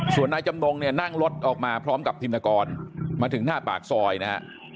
ส่วนนายจำนงเนี่ยนั่งรถออกมาพร้อมกับธินกรมาถึงหน้าปากซอยนะฮะ